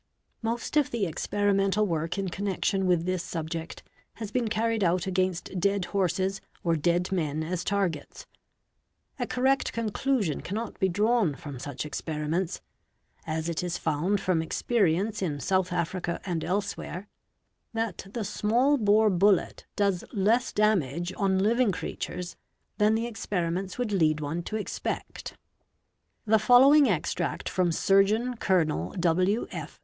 Most of the experimental work in connection with this subject has been carried out "against dead horses or dead men as targets; a correct conclusion cannot be drawn from such experiments, as it is found from experience in South ' Africa and elsewhere, that the small bore bullet does less damage on | living creatures than the experiments would lead one to expect. The following extract from Suwrgeon Colonel W.F.